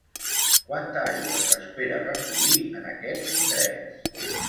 Quanta aigua s'espera recollir en aquests indrets?